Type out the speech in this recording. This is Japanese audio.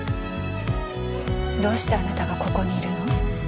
どうしてあなたがここにいるの？